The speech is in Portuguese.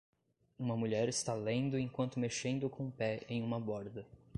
Uma mulher está lendo enquanto mexendo com o pé em uma borda.